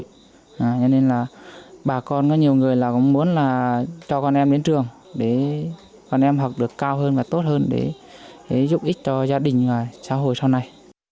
cho nên là bà con có nhiều người là cũng muốn là cho con em đến trường để con em học được cao hơn và tốt hơn để giúp ích cho gia đình và xã hội sau này